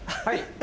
はい。